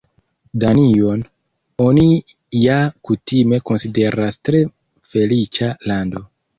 Danion oni ja kutime konsideras tre feliĉa lando.